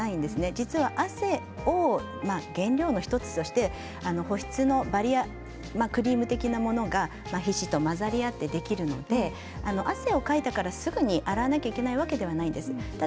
実は汗を原料の１つとして保湿のバリアークリーム的なものが皮脂と混ざり合ってできるのって汗をかいたからすぐに洗わなければいけないわけではないです。